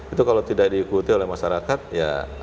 itu kalau tidak diikuti oleh masyarakat ya